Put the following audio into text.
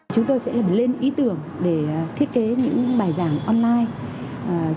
chúng tôi sẽ lần lên ý tưởng để thiết kế những bài giảng online